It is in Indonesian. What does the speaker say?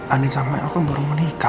andi nisamal yang aku baru menikah